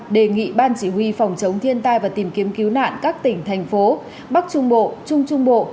đề nghị ban chỉ huy phòng chống thiên tai và tìm kiếm cứu nạn các tỉnh thành phố bắc trung bộ trung trung bộ